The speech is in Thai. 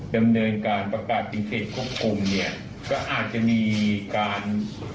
ดำเนินการประกาศเป็นเขตควบคุมเนี่ยก็อาจจะมีการ